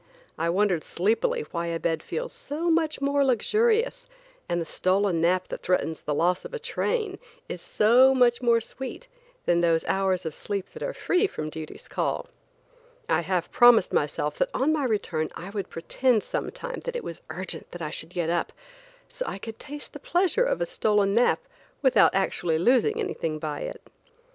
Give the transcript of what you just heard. I wondered sleepily why a bed feels so much more luxurious, and a stolen nap that threatens the loss of a train is so much more sweet, than those hours of sleep that are free from duty's call. I half promised myself that on my return I would pretend sometime that it was urgent that I should get up so I could taste the pleasure of a stolen nap without actually losing anything by it.